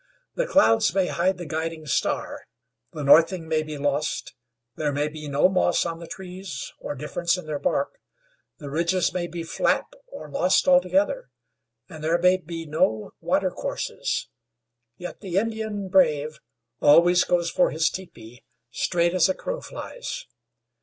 The clouds may hide the guiding star; the northing may be lost; there may be no moss on the trees, or difference in their bark; the ridges may be flat or lost altogether, and there may be no water courses; yet the Indian brave always goes for his teepee, straight as a crow flies.